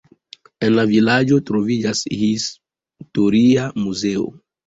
En la vilaĝo troviĝas historia muzeo.